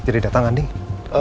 jadi dateng andien